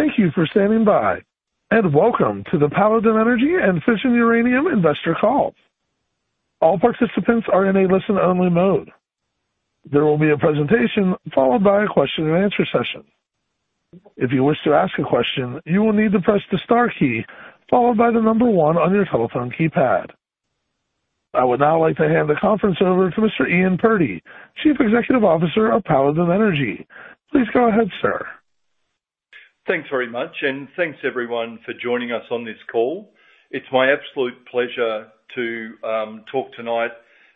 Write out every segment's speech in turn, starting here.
Thank you for standing by, and welcome to the Paladin Energy and Fission Uranium Investor Call. All participants are in a listen-only mode. There will be a presentation followed by a question-and-answer session. If you wish to ask a question, you will need to press the star key followed by the number one on your telephone keypad. I would now like to hand the conference over to Mr. Ian Purdy, Chief Executive Officer of Paladin Energy. Please go ahead, sir. Thanks very much, and thanks everyone for joining us on this call. It's my absolute pleasure to talk tonight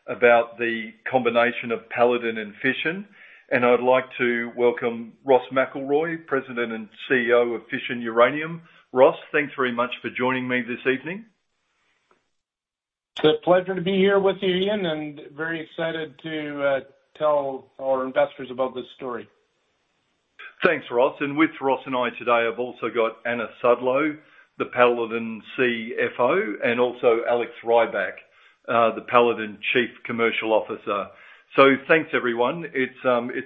about the combination of Paladin and Fission, and I'd like to welcome Ross McElroy, President and CEO of Fission Uranium. Ross, thanks very much for joining me this evening. It's a pleasure to be here with you, Ian, and very excited to tell our investors about this story. Thanks, Ross. And with Ross and I today, I've also got Anna Sudlow, the Paladin CFO, and also Alex Rybak, the Paladin Chief Commercial Officer. So thanks, everyone. It's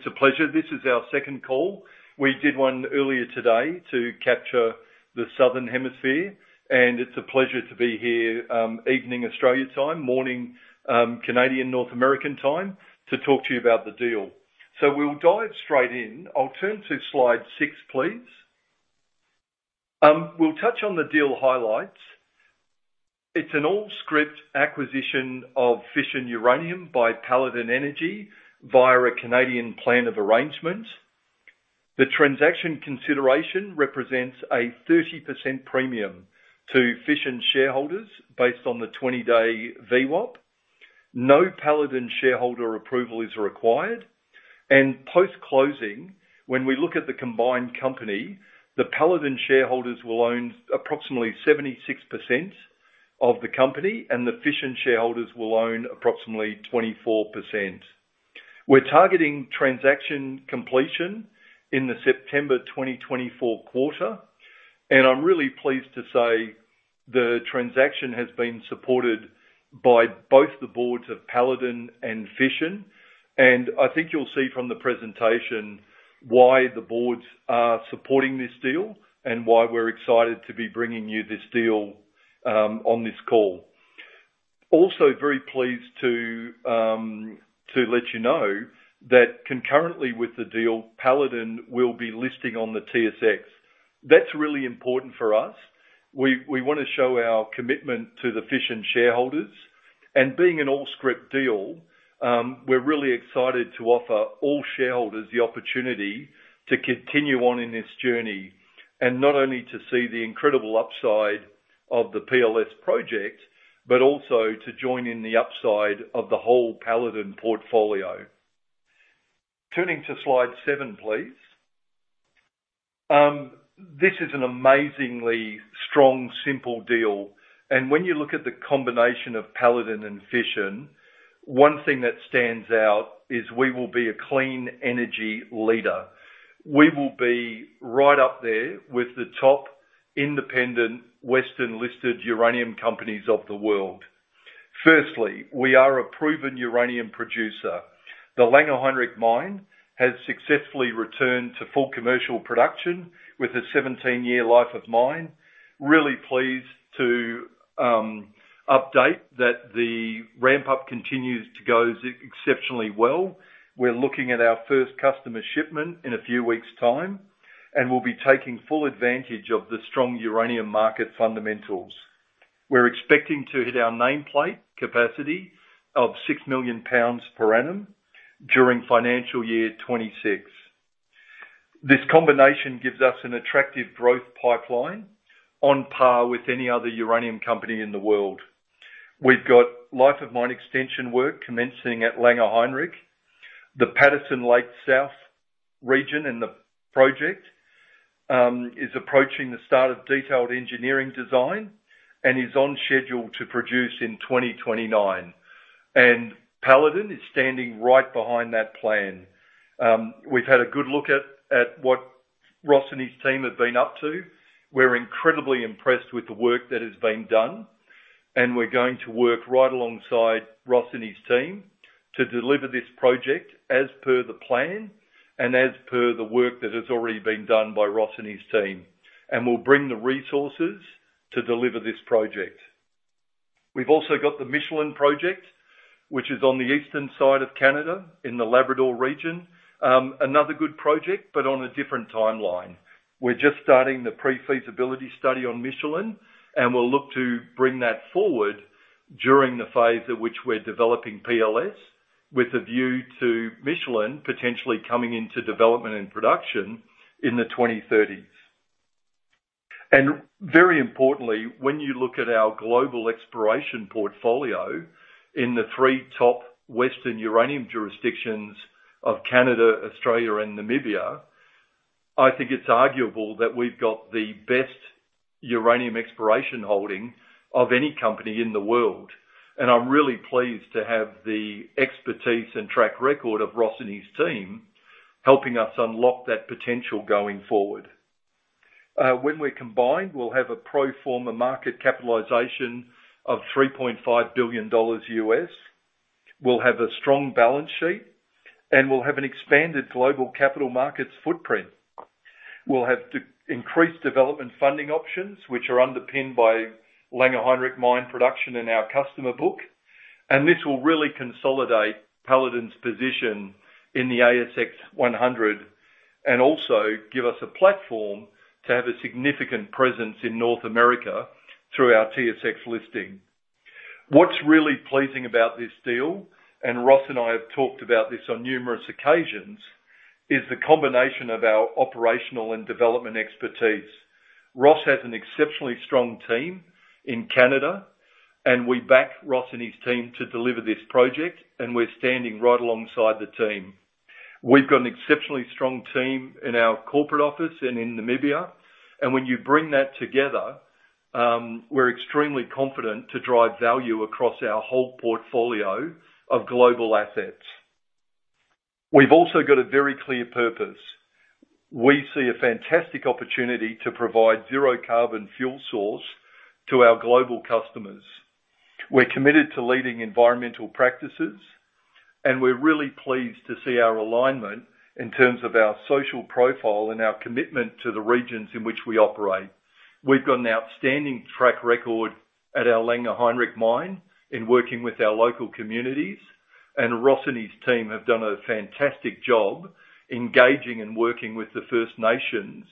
a pleasure. This is our second call. We did one earlier today to capture the southern hemisphere, and it's a pleasure to be here evening Australia time, morning Canadian North American time to talk to you about the deal. So we'll dive straight in. I'll turn to slide 6, please. We'll touch on the deal highlights. It's an all-scrip acquisition of Fission Uranium by Paladin Energy via a Canadian plan of arrangement. The transaction consideration represents a 30% premium to Fission shareholders based on the 20-day VWAP. No Paladin shareholder approval is required. Post-closing, when we look at the combined company, the Paladin shareholders will own approximately 76% of the company, and the Fission shareholders will own approximately 24%. We're targeting transaction completion in the September 2024 quarter, and I'm really pleased to say the transaction has been supported by both the boards of Paladin and Fission, and I think you'll see from the presentation why the boards are supporting this deal and why we're excited to be bringing you this deal on this call. Also, very pleased to let you know that concurrently with the deal, Paladin will be listing on the TSX. That's really important for us. We want to show our commitment to the Fission and shareholders, and being an all-scrip deal, we're really excited to offer all shareholders the opportunity to continue on in this journey and not only to see the incredible upside of the PLS project, but also to join in the upside of the whole Paladin portfolio. Turning to slide seven, please. This is an amazingly strong, simple deal, and when you look at the combination of Paladin and Fission, one thing that stands out is we will be a clean energy leader. We will be right up there with the top independent Western-listed uranium companies of the world. Firstly, we are a proven uranium producer. The Langer Heinrich Mine has successfully returned to full commercial production with a 17-year life of mine. Really pleased to update that the ramp-up continues to go exceptionally well. We're looking at our first customer shipment in a few weeks' time, and we'll be taking full advantage of the strong uranium market fundamentals. We're expecting to hit our nameplate capacity of 6 million pounds per annum during financial year 2026. This combination gives us an attractive growth pipeline on par with any other uranium company in the world. We've got life-of-mine extension work commencing at Langer Heinrich. The Patterson Lake South region in the project is approaching the start of detailed engineering design and is on schedule to produce in 2029, and Paladin is standing right behind that plan. We've had a good look at what Ross and his team have been up to. We're incredibly impressed with the work that has been done, and we're going to work right alongside Ross and his team to deliver this project as per the plan and as per the work that has already been done by Ross and his team, and we'll bring the resources to deliver this project. We've also got the Michelin Project, which is on the eastern side of Canada in the Labrador region, another good project, but on a different timeline. We're just starting the pre-feasibility study on Michelin, and we'll look to bring that forward during the phase at which we're developing PLS with a view to Michelin potentially coming into development and production in the 2030s. And very importantly, when you look at our global exploration portfolio in the three top Western uranium jurisdictions of Canada, Australia, and Namibia, I think it's arguable that we've got the best uranium exploration holding of any company in the world, and I'm really pleased to have the expertise and track record of Ross and his team helping us unlock that potential going forward. When we're combined, we'll have a pro forma market capitalization of $3.5 billion. We'll have a strong balance sheet, and we'll have an expanded global capital markets footprint. We'll have increased development funding options, which are underpinned by Langer Heinrich Mine production and our contract book, and this will really consolidate Paladin's position in the ASX 100 and also give us a platform to have a significant presence in North America through our TSX listing. What's really pleasing about this deal, and Ross and I have talked about this on numerous occasions, is the combination of our operational and development expertise. Ross has an exceptionally strong team in Canada, and we back Ross and his team to deliver this project, and we're standing right alongside the team. We've got an exceptionally strong team in our corporate office and in Namibia, and when you bring that together, we're extremely confident to drive value across our whole portfolio of global assets. We've also got a very clear purpose. We see a fantastic opportunity to provide zero-carbon fuel source to our global customers. We're committed to leading environmental practices, and we're really pleased to see our alignment in terms of our social profile and our commitment to the regions in which we operate. We've got an outstanding track record at our Langer Heinrich Mine in working with our local communities, and Ross and his team have done a fantastic job engaging and working with the First Nations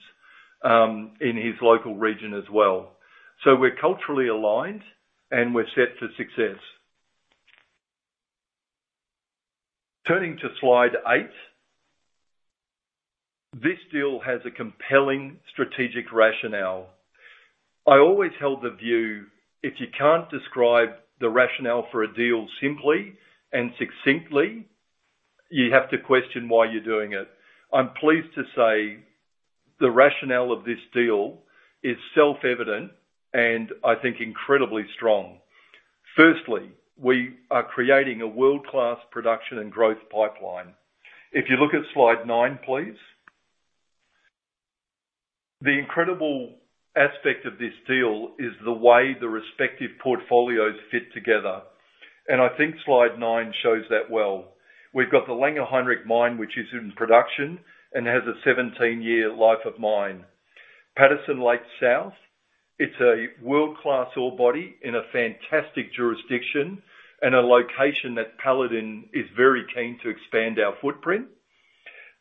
in his local region as well. So we're culturally aligned, and we're set for success. Turning to slide eight, this deal has a compelling strategic rationale. I always held the view, if you can't describe the rationale for a deal simply and succinctly, you have to question why you're doing it. I'm pleased to say the rationale of this deal is self-evident and I think incredibly strong. Firstly, we are creating a world-class production and growth pipeline. If you look at slide nine, please, the incredible aspect of this deal is the way the respective portfolios fit together, and I think slide nine shows that well. We've got the Langer Heinrich Mine, which is in production and has a 17-year life of mine. Patterson Lake South, it's a world-class ore body in a fantastic jurisdiction and a location that Paladin is very keen to expand our footprint.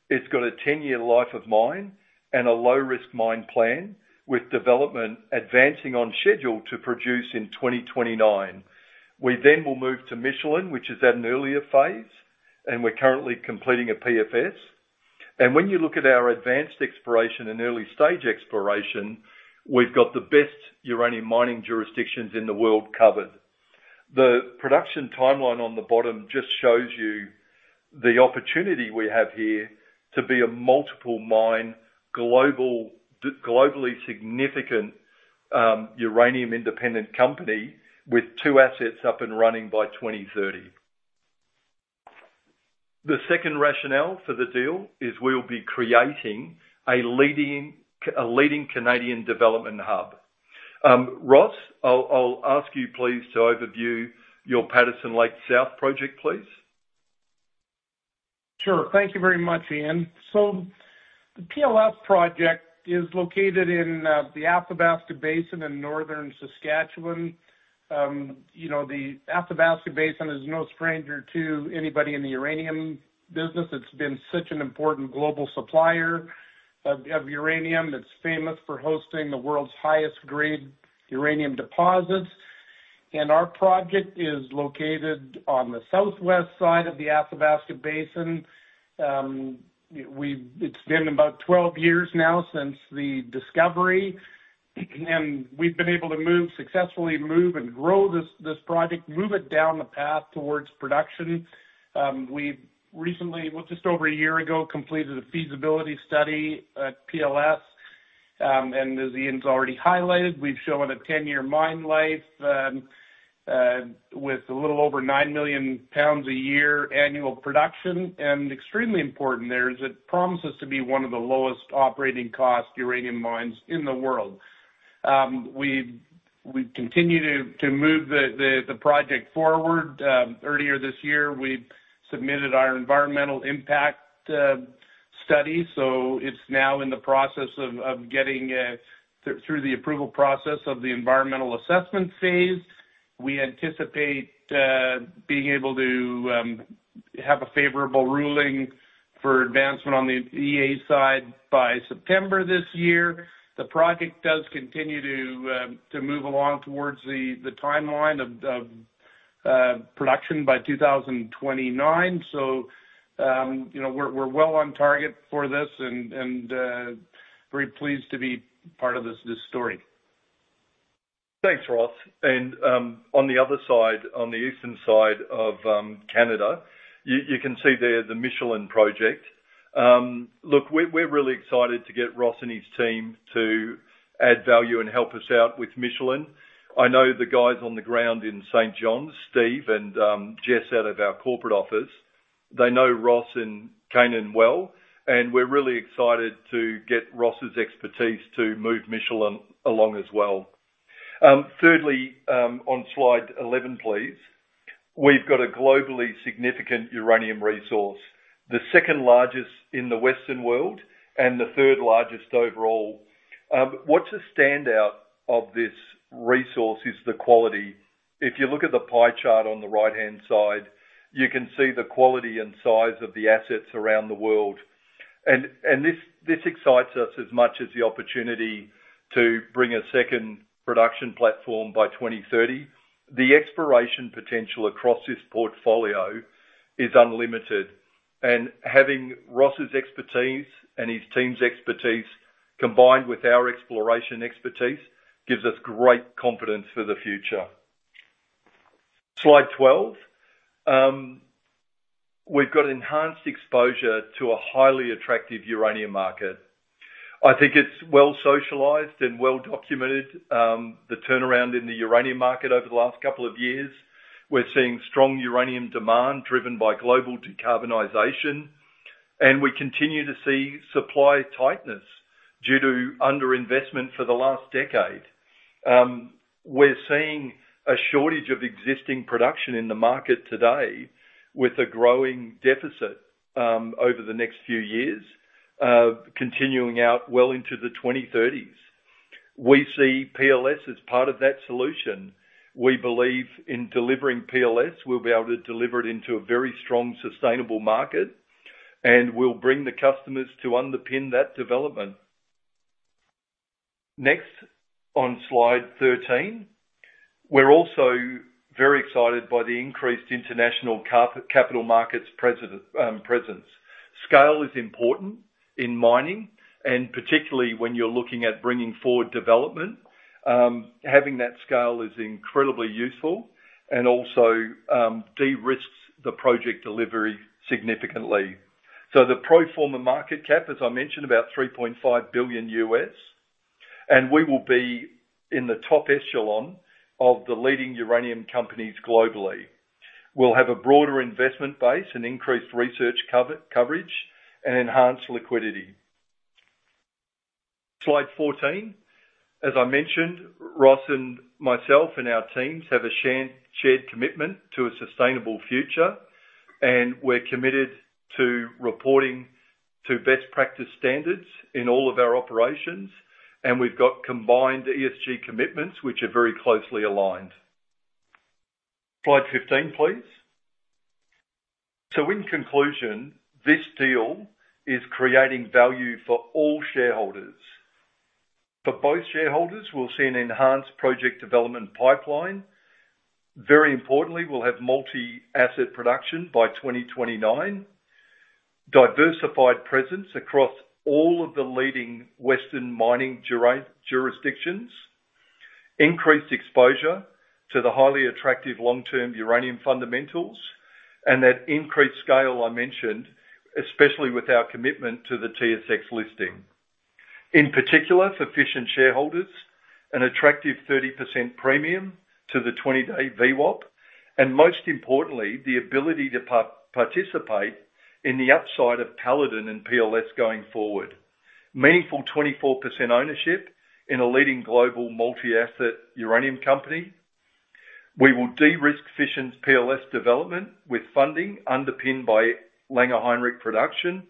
It's got a 10-year life of mine and a low-risk mine plan with development advancing on schedule to produce in 2029. We then will move to Michelin, which is at an earlier phase, and we're currently completing a PFS. When you look at our advanced exploration and early-stage exploration, we've got the best uranium mining jurisdictions in the world covered. The production timeline on the bottom just shows you the opportunity we have here to be a multiple mine, globally significant uranium-independent company with two assets up and running by 2030. The second rationale for the deal is we'll be creating a leading Canadian development hub. Ross, I'll ask you, please, to overview your Patterson Lake South project, please. Sure. Thank you very much, Ian. So the PLS project is located in the Athabasca Basin in northern Saskatchewan. The Athabasca Basin is no stranger to anybody in the uranium business. It's been such an important global supplier of uranium. It's famous for hosting the world's highest-grade uranium deposits, and our project is located on the southwest side of the Athabasca Basin. It's been about 12 years now since the discovery, and we've been able to successfully move and grow this project, move it down the path towards production. We recently, well, just over a year ago, completed a feasibility study at PLS, and as Ian's already highlighted, we've shown a 10-year mine life with a little over 9 million pounds a year annual production. And extremely important there, it promises to be one of the lowest operating cost uranium mines in the world. We continue to move the project forward. Earlier this year, we submitted our environmental impact study, so it's now in the process of getting through the approval process of the environmental assessment phase. We anticipate being able to have a favorable ruling for advancement on the EA side by September this year. The project does continue to move along towards the timeline of production by 2029, so we're well on target for this and very pleased to be part of this story. Thanks, Ross. On the other side, on the eastern side of Canada, you can see there the Michelin Project. Look, we're really excited to get Ross and his team to add value and help us out with Michelin. I know the guys on the ground in St. John’s, Steve and Jess out of our corporate office, they know Ross and Kanan well, and we're really excited to get Ross's expertise to move Michelin along as well. Thirdly, on slide 11, please, we've got a globally significant uranium resource, the second largest in the Western world and the third largest overall. What's a standout of this resource is the quality. If you look at the pie chart on the right-hand side, you can see the quality and size of the assets around the world, and this excites us as much as the opportunity to bring a second production platform by 2030. The exploration potential across this portfolio is unlimited, and having Ross's expertise and his team's expertise combined with our exploration expertise gives us great confidence for the future. Slide 12, we've got enhanced exposure to a highly attractive uranium market. I think it's well socialized and well documented, the turnaround in the uranium market over the last couple of years. We're seeing strong uranium demand driven by global decarbonization, and we continue to see supply tightness due to underinvestment for the last decade. We're seeing a shortage of existing production in the market today with a growing deficit over the next few years, continuing out well into the 2030s. We see PLS as part of that solution. We believe in delivering PLS, we'll be able to deliver it into a very strong, sustainable market, and we'll bring the customers to underpin that development. Next, on slide 13, we're also very excited by the increased international capital markets presence. Scale is important in mining, and particularly when you're looking at bringing forward development, having that scale is incredibly useful and also de-risks the project delivery significantly. So the pro forma market cap, as I mentioned, about $3.5 billion, and we will be in the top echelon of the leading uranium companies globally. We'll have a broader investment base, an increased research coverage, and enhanced liquidity. Slide 14, as I mentioned, Ross and myself and our teams have a shared commitment to a sustainable future, and we're committed to reporting to best practice standards in all of our operations, and we've got combined ESG commitments, which are very closely aligned. Slide 15, please. So in conclusion, this deal is creating value for all shareholders. For both shareholders, we'll see an enhanced project development pipeline. Very importantly, we'll have multi-asset production by 2029, diversified presence across all of the leading Western mining jurisdictions, increased exposure to the highly attractive long-term uranium fundamentals, and that increased scale I mentioned, especially with our commitment to the TSX listing. In particular, for Fission shareholders, an attractive 30% premium to the 20-day VWAP, and most importantly, the ability to participate in the upside of Paladin and PLS going forward. Meaningful 24% ownership in a leading global multi-asset uranium company. We will de-risk Fission and PLS development with funding underpinned by Langer Heinrich production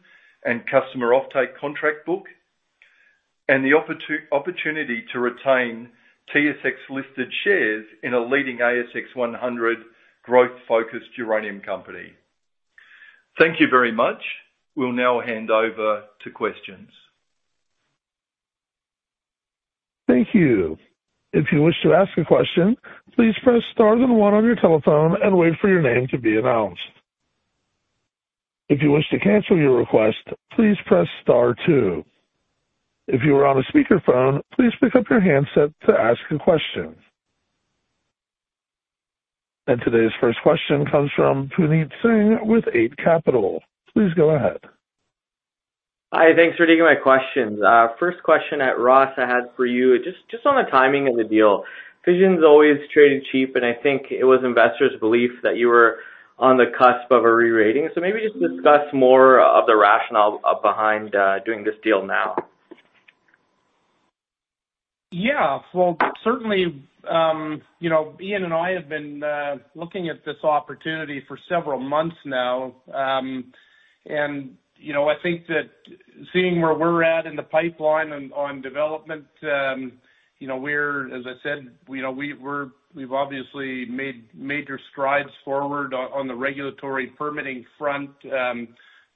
and customer offtake contract book, and the opportunity to retain TSX-listed shares in a leading ASX 100 growth-focused uranium company. Thank you very much. We'll now hand over to questions. Thank you. If you wish to ask a question, please press star then one on your telephone and wait for your name to be announced. If you wish to cancel your request, please press star two. If you are on a speakerphone, please pick up your handset to ask a question. Today's first question comes from Puneet Singh with Eight Capital. Please go ahead. Hi. Thanks for taking my questions. First question I had for you, Ross. Just on the timing of the deal, Fission has always traded cheap, and I think it was investors' belief that you were on the cusp of a re-rating. So maybe just discuss more of the rationale behind doing this deal now. Yeah. Well, certainly, Ian and I have been looking at this opportunity for several months now, and I think that seeing where we're at in the pipeline on development, we're, as I said, we've obviously made major strides forward on the regulatory permitting front,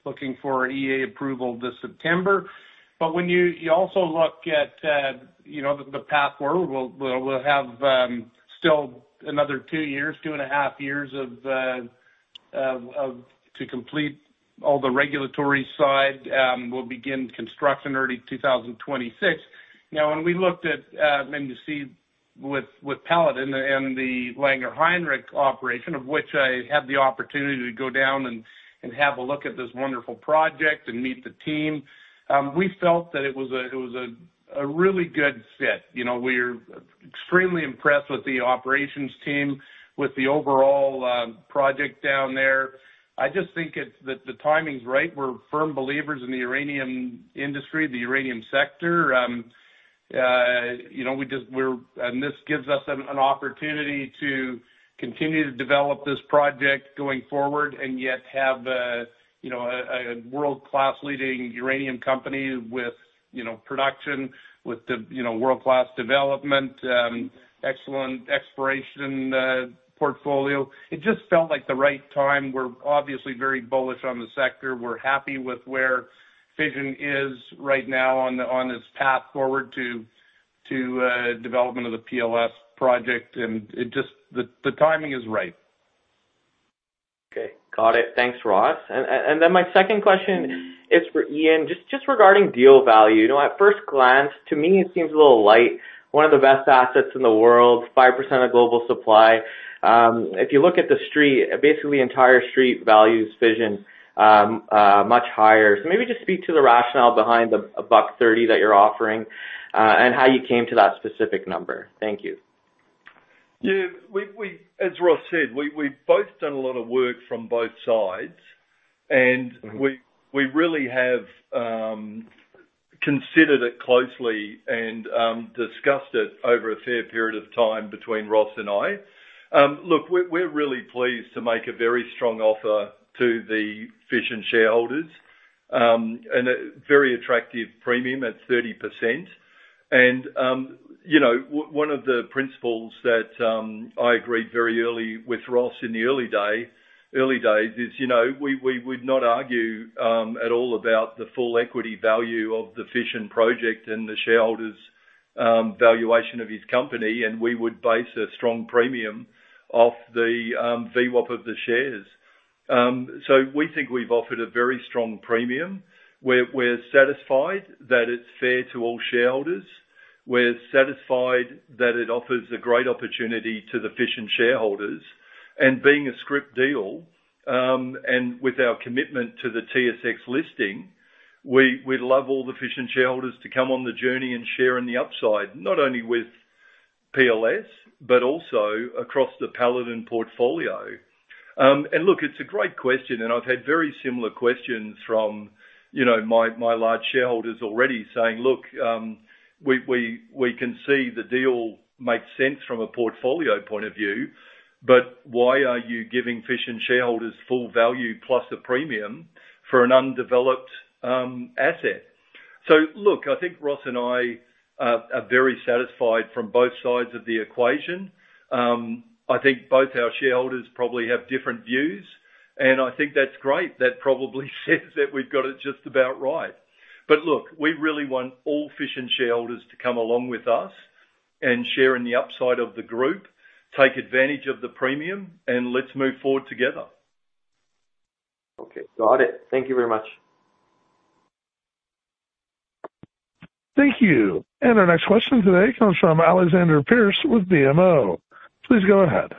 looking for EA approval this September. But when you also look at the path forward, we'll have still another 2 years, 2.5 years to complete all the regulatory side. We'll begin construction early 2026. Now, when we looked at, and you see with Paladin and the Langer Heinrich operation, of which I had the opportunity to go down and have a look at this wonderful project and meet the team, we felt that it was a really good fit. We are extremely impressed with the operations team, with the overall project down there. I just think that the timing's right. We're firm believers in the uranium industry, the uranium sector. We just, and this gives us an opportunity to continue to develop this project going forward and yet have a world-class leading uranium company with production, with the world-class development, excellent exploration portfolio. It just felt like the right time. We're obviously very bullish on the sector. We're happy with where Fission is right now on its path forward to development of the PLS project, and just the timing is right. Okay. Got it. Thanks, Ross. And then my second question is for Ian, just regarding deal value. At first glance, to me, it seems a little light. One of the best assets in the world, 5% of global supply. If you look at the street, basically the entire street values Fission much higher. So maybe just speak to the rationale behind the £1.30 that you're offering and how you came to that specific number. Thank you. Yeah. As Ross said, we've both done a lot of work from both sides, and we really have considered it closely and discussed it over a fair period of time between Ross and I. Look, we're really pleased to make a very strong offer to the Fission shareholders and a very attractive premium at 30%. One of the principles that I agreed very early with Ross in the early days is we would not argue at all about the full equity value of the Fission project and the shareholders' valuation of his company, and we would base a strong premium off the VWAP of the shares. So we think we've offered a very strong premium. We're satisfied that it's fair to all shareholders. We're satisfied that it offers a great opportunity to the Fission shareholders. And being a scrip deal and with our commitment to the TSX listing, we'd love all the Fission shareholders to come on the journey and share in the upside, not only with PLS, but also across the Paladin portfolio. And look, it's a great question, and I've had very similar questions from my large shareholders already saying, "Look, we can see the deal makes sense from a portfolio point of view, but why are you giving Fission shareholders full value plus a premium for an undeveloped asset?" So look, I think Ross and I are very satisfied from both sides of the equation. I think both our shareholders probably have different views, and I think that's great. That probably says that we've got it just about right. But look, we really want all Fission shareholders to come along with us and share in the upside of the group, take advantage of the premium, and let's move forward together. Okay. Got it. Thank you very much. Thank you. Our next question today comes from Alexander Pearce with BMO. Please go ahead.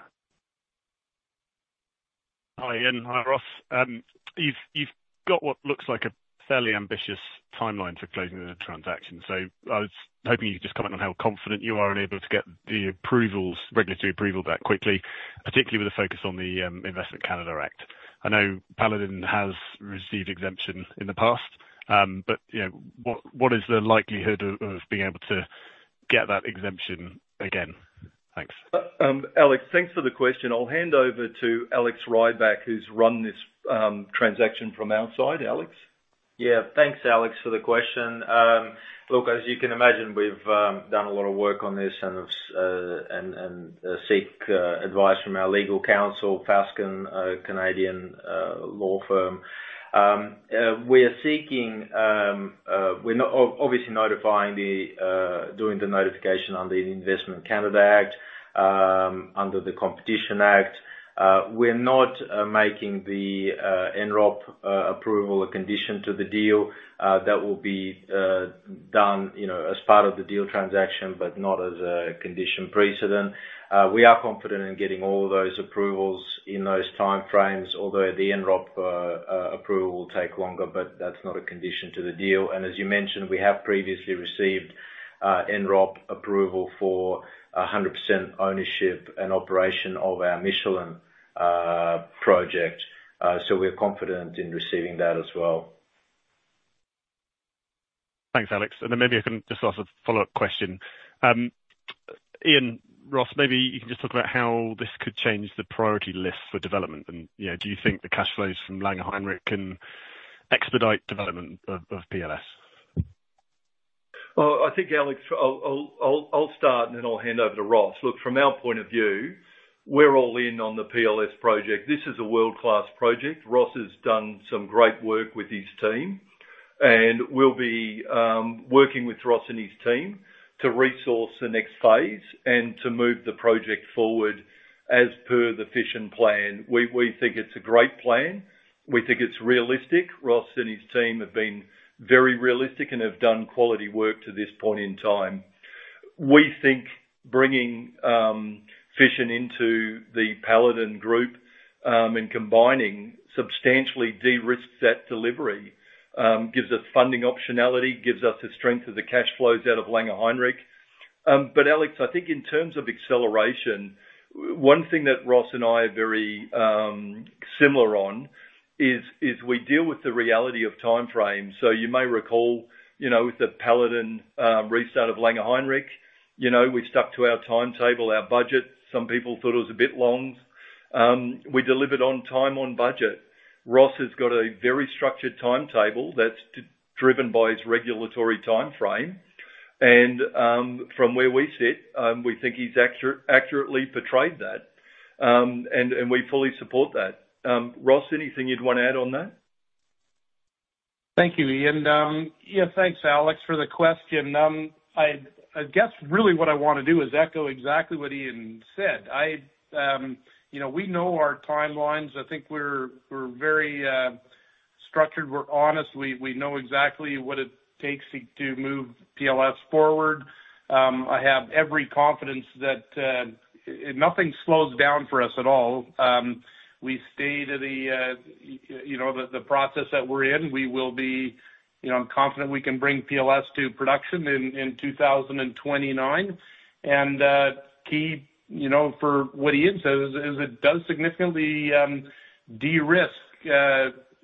Hi, Ian. Hi, Ross. You've got what looks like a fairly ambitious timeline for closing the transaction. So I was hoping you could just comment on how confident you are in able to get the regulatory approval that quickly, particularly with a focus on the Investment Canada Act. I know Paladin has received exemption in the past, but what is the likelihood of being able to get that exemption again? Thanks. Alex, thanks for the question. I'll hand over to Alex Rybak, who's run this transaction from our side. Alex? Yeah. Thanks, Alex, for the question. Look, as you can imagine, we've done a lot of work on this and seek advice from our legal counsel, Fasken, a Canadian law firm. We are obviously doing the notification under the Investment Canada Act, under the Competition Act. We're not making the NRCan approval a condition to the deal. That will be done as part of the deal transaction, but not as a condition precedent. We are confident in getting all those approvals in those time frames, although the NRCan approval will take longer, but that's not a condition to the deal. And as you mentioned, we have previously received NRCan approval for 100% ownership and operation of our Michelin Project. So we're confident in receiving that as well. Thanks, Alex. And then maybe I can just ask a follow-up question. Ian, Ross, maybe you can just talk about how this could change the priority list for development. Do you think the cash flows from Langer Heinrich can expedite development of PLS? Well, I think, Alex, I'll start and then I'll hand over to Ross. Look, from our point of view, we're all in on the PLS project. This is a world-class project. Ross has done some great work with his team, and we'll be working with Ross and his team to resource the next phase and to move the project forward as per the Fission plan. We think it's a great plan. We think it's realistic. Ross and his team have been very realistic and have done quality work to this point in time. We think bringing Fission into the Paladin group and combining substantially de-risk that delivery gives us funding optionality, gives us the strength of the cash flows out of Langer Heinrich. But Alex, I think in terms of acceleration, one thing that Ross and I are very similar on is we deal with the reality of time frames. So you may recall with the Paladin restart of Langer Heinrich, we stuck to our timetable, our budget. Some people thought it was a bit long. We delivered on time on budget. Ross has got a very structured timetable that's driven by his regulatory time frame. And from where we sit, we think he's accurately portrayed that, and we fully support that. Ross, anything you'd want to add on that? Thank you, Ian. Yeah, thanks, Alex, for the question. I guess really what I want to do is echo exactly what Ian said. We know our timelines. I think we're very structured. We're honest. We know exactly what it takes to move PLS forward. I have every confidence that nothing slows down for us at all. We stay to the process that we're in. We will be confident we can bring PLS to production in 2029. And key for what Ian says is it does significantly de-risk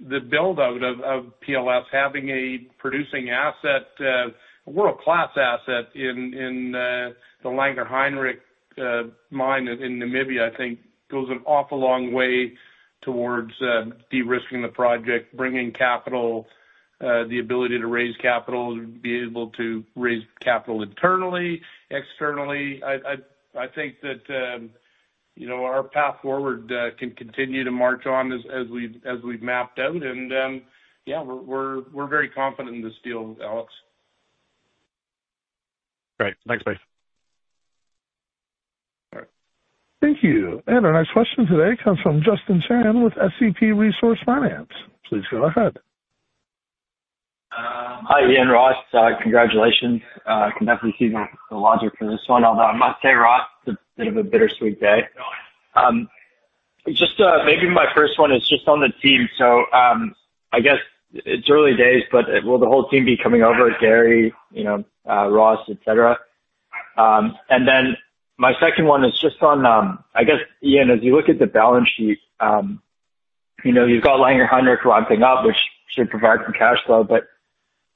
the build-out of PLS, having a producing asset, a world-class asset in the Langer Heinrich mine in Namibia. I think goes an awful long way towards de-risking the project, bringing capital, the ability to raise capital, be able to raise capital internally, externally. I think that our path forward can continue to march on as we've mapped out. And yeah, we're very confident in this deal, Alex. Great. Thanks, both. All right. Thank you. And our next question today comes from Justin Chan with SCP Resource Finance. Please go ahead. Hi, Ian, Ross. Congratulations. I can definitely see the logic for this one, although I must say, Ross, it's a bit of a bittersweet day. Just maybe my first one is just on the team. So I guess it's early days, but will the whole team be coming over, Gary, Ross, etc.? And then my second one is just on, I guess, Ian, as you look at the balance sheet, you've got Langer Heinrich ramping up, which should provide some cash flow, but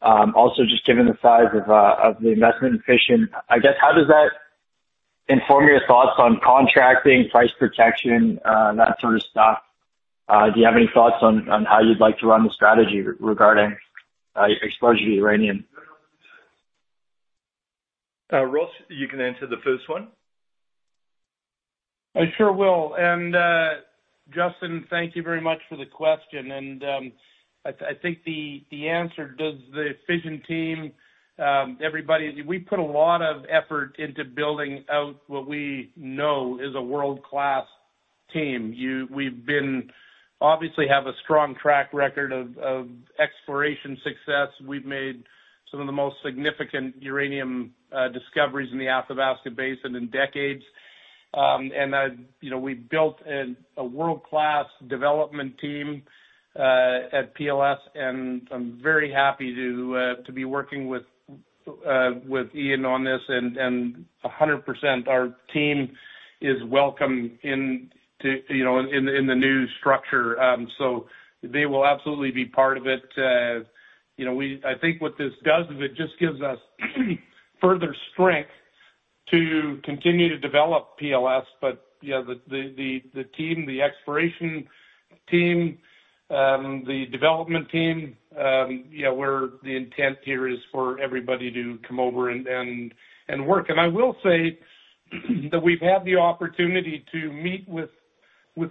also just given the size of the investment in Fission, I guess, how does that inform your thoughts on contracting, price protection, that sort of stuff? Do you have any thoughts on how you'd like to run the strategy regarding exposure to uranium? Ross, you can answer the first one. I sure will. And Justin, thank you very much for the question. And I think the answer is the Fission team, everybody, we put a lot of effort into building out what we know is a world-class team. We obviously have a strong track record of exploration success. We've made some of the most significant uranium discoveries in the Athabasca Basin in decades. And we've built a world-class development team at PLS, and I'm very happy to be working with Ian on this. And 100%, our team is welcome in the new structure. So they will absolutely be part of it. I think what this does is it just gives us further strength to continue to develop PLS. But yeah, the team, the exploration team, the development team, yeah, where the intent here is for everybody to come over and work. I will say that we've had the opportunity to meet with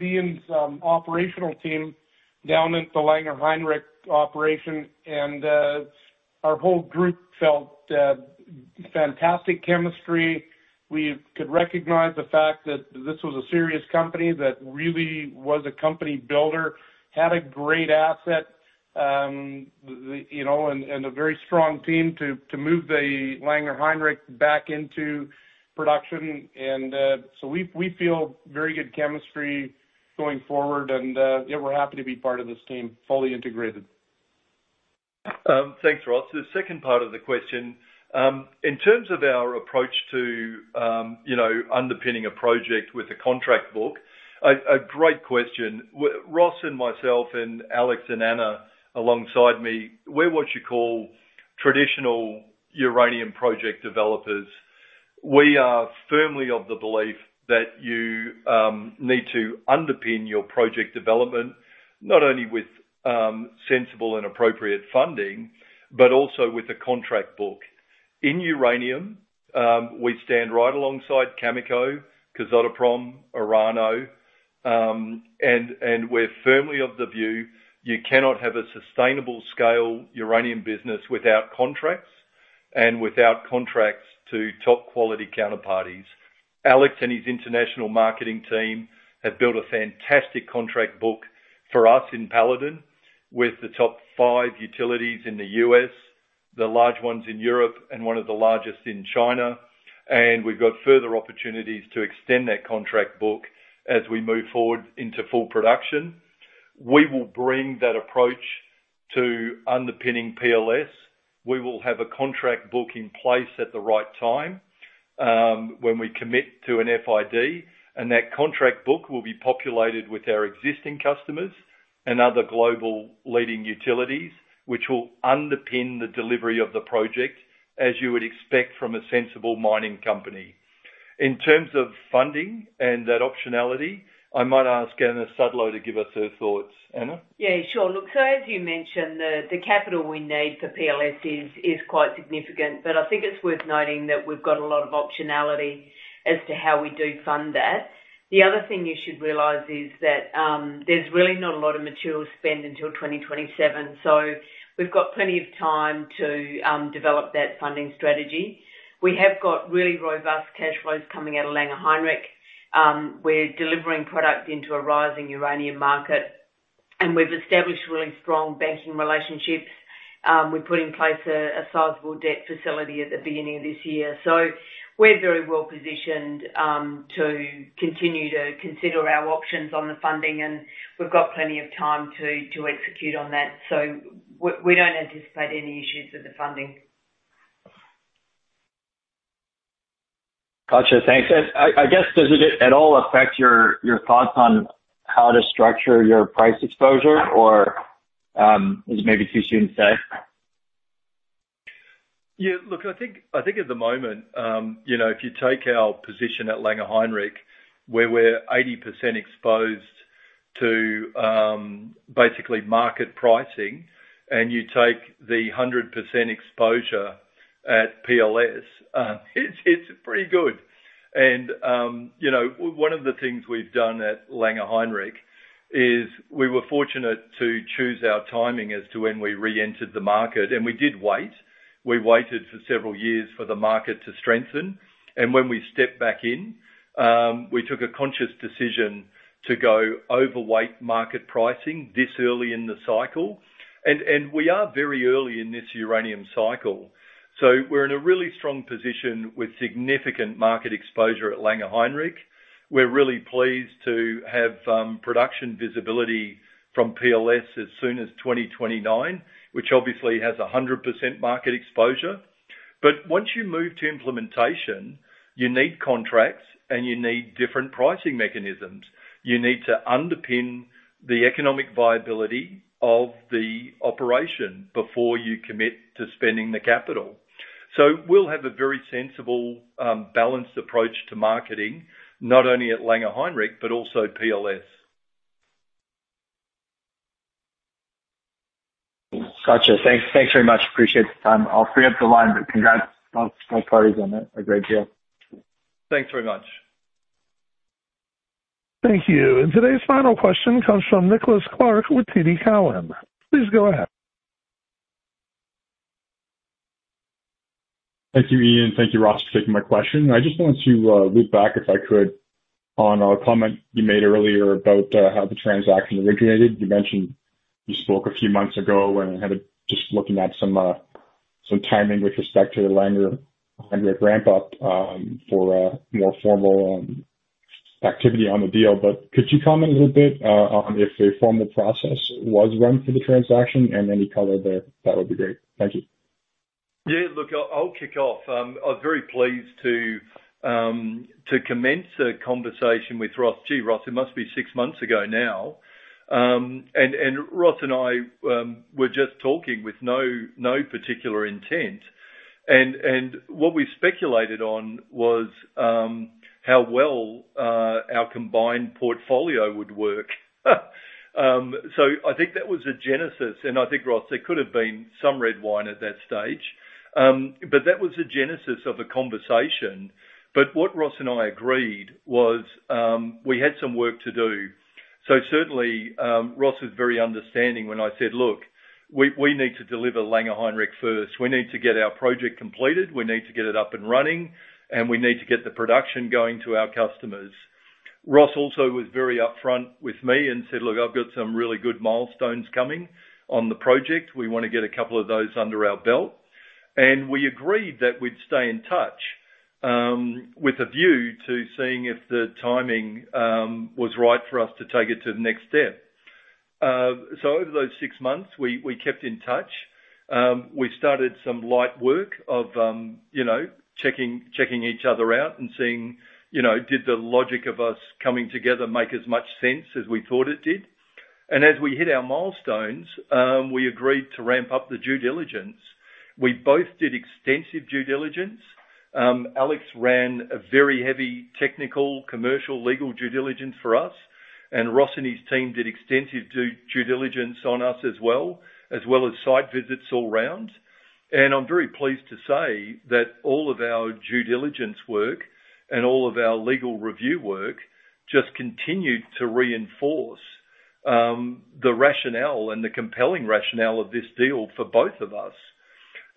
Ian's operational team down at the Langer Heinrich operation, and our whole group felt fantastic chemistry. We could recognize the fact that this was a serious company that really was a company builder, had a great asset, and a very strong team to move the Langer Heinrich back into production. And so we feel very good chemistry going forward, and yeah, we're happy to be part of this team, fully integrated. Thanks, Ross. The second part of the question, in terms of our approach to underpinning a project with a contract book, a great question. Ross and myself and Alex and Anna alongside me, we're what you call traditional uranium project developers. We are firmly of the belief that you need to underpin your project development, not only with sensible and appropriate funding, but also with a contract book. In uranium, we stand right alongside Cameco, Kazatomprom, Orano, and we're firmly of the view you cannot have a sustainable scale uranium business without contracts and without contracts to top quality counterparties. Alex and his international marketing team have built a fantastic contract book for us in Paladin with the top five utilities in the U.S., the large ones in Europe, and one of the largest in China. And we've got further opportunities to extend that contract book as we move forward into full production. We will bring that approach to underpinning PLS. We will have a contract book in place at the right time when we commit to an FID, and that contract book will be populated with our existing customers and other global leading utilities, which will underpin the delivery of the project, as you would expect from a sensible mining company. In terms of funding and that optionality, I might ask Anna Sudlow to give us her thoughts. Anna? Yeah, sure. Look, so as you mentioned, the capital we need for PLS is quite significant, but I think it's worth noting that we've got a lot of optionality as to how we do fund that. The other thing you should realize is that there's really not a lot of material spent until 2027. So we've got plenty of time to develop that funding strategy. We have got really robust cash flows coming out of Langer Heinrich. We're delivering product into a rising uranium market, and we've established really strong banking relationships. We put in place a sizable debt facility at the beginning of this year. So we're very well positioned to continue to consider our options on the funding, and we've got plenty of time to execute on that. So we don't anticipate any issues with the funding. Gotcha. Thanks. And I guess, does it at all affect your thoughts on how to structure your price exposure, or is it maybe too soon to say? Yeah. Look, I think at the moment, if you take our position at Langer Heinrich, where we're 80% exposed to basically market pricing, and you take the 100% exposure at PLS, it's pretty good. One of the things we've done at Langer Heinrich is we were fortunate to choose our timing as to when we re-entered the market. We did wait. We waited for several years for the market to strengthen. When we stepped back in, we took a conscious decision to go overweight market pricing this early in the cycle. We are very early in this uranium cycle. We're in a really strong position with significant market exposure at Langer Heinrich. We're really pleased to have production visibility from PLS as soon as 2029, which obviously has 100% market exposure. Once you move to implementation, you need contracts, and you need different pricing mechanisms. You need to underpin the economic viability of the operation before you commit to spending the capital. So we'll have a very sensible, balanced approach to marketing, not only at Langer Heinrich, but also PLS. Gotcha. Thanks very much. Appreciate the time. I'll free up the line, but congrats to both parties on a great deal. Thanks very much. Thank you. Today's final question comes from Nicholas Clark with TD Cowen. Please go ahead. Thank you, Ian. Thank you, Ross, for taking my question. I just wanted to loop back, if I could, on a comment you made earlier about how the transaction originated. You mentioned you spoke a few months ago and had just been looking at some timing with respect to the Langer Heinrich ramp-up for more formal activity on the deal. But could you comment a little bit on if a formal process was run for the transaction and any color there? That would be great. Thank you. Yeah. Look, I'll kick off. I was very pleased to commence a conversation with Ross McElroy. Ross, it must be six months ago now. And Ross and I were just talking with no particular intent. And what we speculated on was how well our combined portfolio would work. So I think that was a genesis. And I think, Ross, there could have been some red wine at that stage. But that was the genesis of a conversation. But what Ross and I agreed was we had some work to do. So certainly, Ross was very understanding when I said, "Look, we need to deliver Langer Heinrich first. We need to get our project completed. We need to get it up and running, and we need to get the production going to our customers." Ross also was very upfront with me and said, "Look, I've got some really good milestones coming on the project. We want to get a couple of those under our belt." And we agreed that we'd stay in touch with a view to seeing if the timing was right for us to take it to the next step. So over those six months, we kept in touch. We started some light work of checking each other out and seeing, did the logic of us coming together make as much sense as we thought it did? And as we hit our milestones, we agreed to ramp up the due diligence. We both did extensive due diligence. Alex ran a very heavy technical, commercial, legal due diligence for us, and Ross and his team did extensive due diligence on us as well, as well as site visits all around. I'm very pleased to say that all of our due diligence work and all of our legal review work just continued to reinforce the rationale and the compelling rationale of this deal for both of us.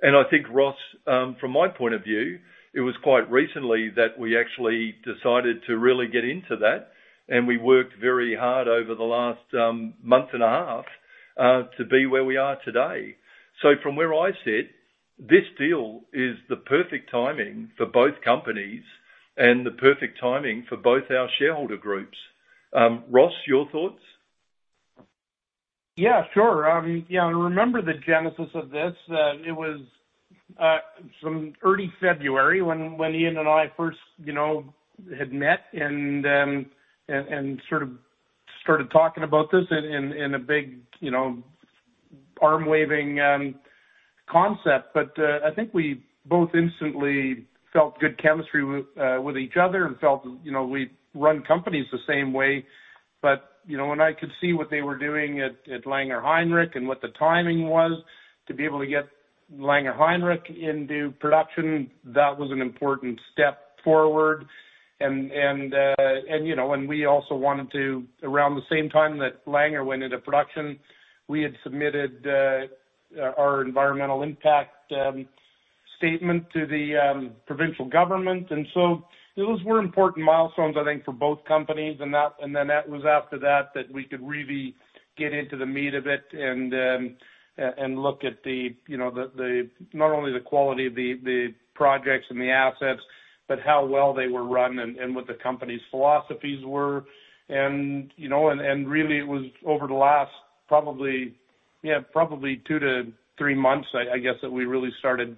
I think, Ross, from my point of view, it was quite recently that we actually decided to really get into that, and we worked very hard over the last month and a half to be where we are today. From where I sit, this deal is the perfect timing for both companies and the perfect timing for both our shareholder groups. Ross, your thoughts? Yeah, sure. Yeah. I remember the genesis of this. It was some early February when Ian and I first had met and sort of started talking about this in a big arm-waving concept. But I think we both instantly felt good chemistry with each other and felt we run companies the same way. But when I could see what they were doing at Langer Heinrich and what the timing was to be able to get Langer Heinrich into production, that was an important step forward. And we also wanted to, around the same time that Langer Heinrich went into production, we had submitted our environmental impact statement to the provincial government. And so those were important milestones, I think, for both companies. And then that was after that we could really get into the meat of it and look at not only the quality of the projects and the assets, but how well they were run and what the company's philosophies were. And really, it was over the last, yeah, probably two to three months, I guess, that we really started.